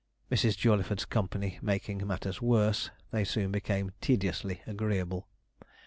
Mrs. Jawleyford's company making matters worse, they soon became tediously agreeable.